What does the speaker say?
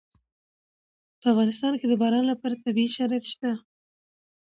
په افغانستان کې د باران لپاره طبیعي شرایط شته.